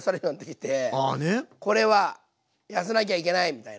これは痩せなきゃいけないみたいな。